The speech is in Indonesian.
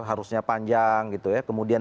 harusnya panjang kemudian